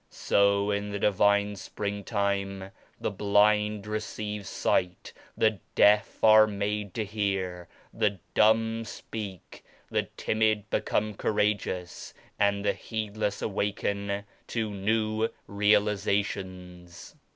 So in the Divine Springtime the blind receive sight, the deaf are made to hear, the dumb speak, the timid become courageous and the heedless awaken to new realizations.